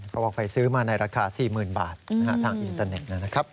เขาออกไปซื้อมาในราคา๔๐๐๐๐บาททางอินเตอร์เน็ต